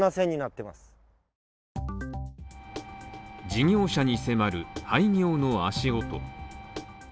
事業者に迫る廃業の足音